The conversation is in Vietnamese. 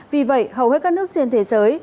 vì vậy hầu hết các nước trên thế giới